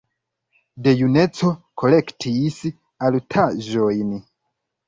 De juneco kolektis artaĵojn.